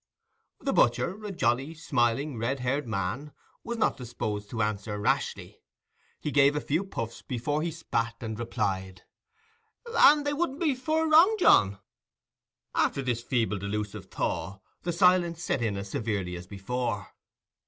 The butcher, a jolly, smiling, red haired man, was not disposed to answer rashly. He gave a few puffs before he spat and replied, "And they wouldn't be fur wrong, John." After this feeble delusive thaw, the silence set in as severely as before.